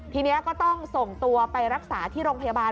ทีนี้ก็ต้องส่งตัวไปรักษาที่โรงพยาบาล